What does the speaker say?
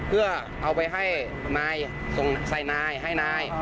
เพื่อเอาไปให้นายส่งใส่นายให้นาย